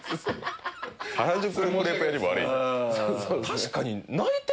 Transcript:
確かに。